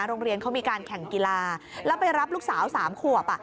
โรงเรียนเขามีการแข่งกีฬาแล้วไปรับลูกสาว๓ขวบ